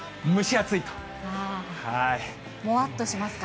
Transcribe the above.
もわっとしますか。